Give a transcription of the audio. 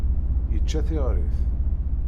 Yečča tiɣrit.